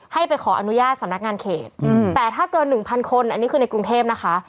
ให้ไปขออนุญาตสำนักงานเขตแต่ถ้าเกิน๑๐๐คนอันนี้คือในกรุงเทพนะคะ